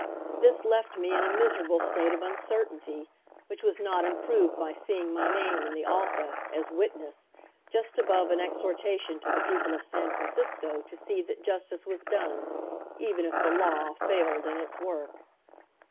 This left me in a miserable state of uncertainty, which was not improved by seeing my name in the Alta, as witness, just above an exhortation to the people of San Francisco to see that justice was done, even if the law failed in its work.